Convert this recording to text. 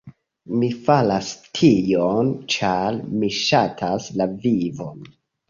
Mi faras tion, ĉar mi ŝatas la vivon!